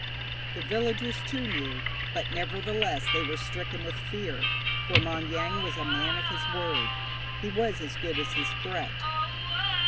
The villagers, too, knew, but nevertheless they were stricken with fear, for Maung Yaing was a man of his word. He was as good as his threat.